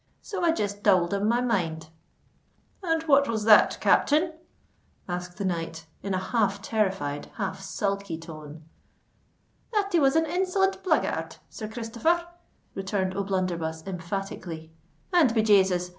So I just tould him my mind—" "And what was that, captain?" asked the knight, in a half terrified—half sulky tone. "That he was an insolent blackguard, Sir Christopher," returned O'Blunderbuss emphatically; "and be Jasus!